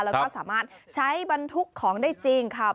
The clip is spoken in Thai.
แล้วก็สามารถใช้บรรทุกของได้จริงค่ะ